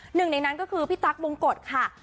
หนึ่งในนั้นก็คือพี่ตั๊กบงกฎค่ะ